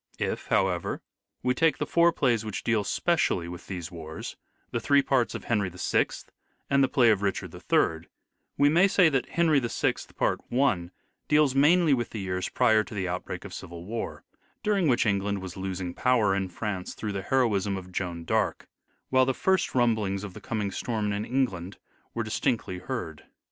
If, however, we take the four plays which deal specially with these wars, the three parts of " Henry VI," and the play of " Richard III," we may say that " Henry VI," part i, deals mainly with the years prior to the outbreak of civil war, during which England was losing power in France through the heroism of Joan d'Arc, whilst the first rumblings of the coming storm in England were distinctly heard.